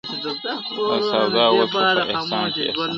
دا سودا سوه پر احسان چي احسان وینم,